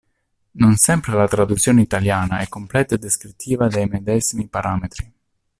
Non sempre la traduzione italiana è completa e descrittiva dei medesimi parametri.